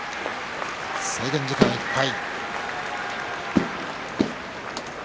制限時間いっぱい。